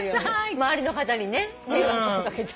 周りの方にね迷惑をかけて。